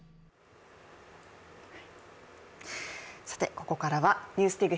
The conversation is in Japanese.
ここからは「ＮＥＷＳＤＩＧ」